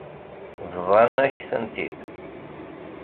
Bḍan-ak-tent-id.